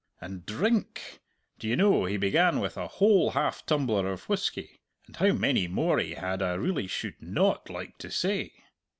And drink! D'ye know, he began with a whole half tumbler of whisky, and how many more he had I really should not like to say!